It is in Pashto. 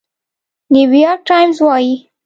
نيويارک ټايمز وايي،